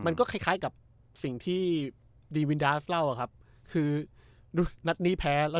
มันก็คล้ายคล้ายกับสิ่งที่ดีวินดาสเล่าอะครับคือนัดนี้แพ้แล้ว